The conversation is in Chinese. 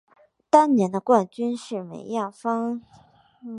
当年的冠军是梅艳芳。